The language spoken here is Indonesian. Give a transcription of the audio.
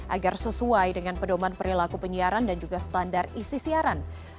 agar sesuai dengan pedoman perilaku penyiaran dan juga standar isi siaran